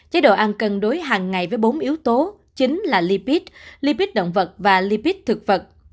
chế độ ăn cần đối hàng ngày với bốn yếu tố chính là lipid lipid động vật và lipid thực vật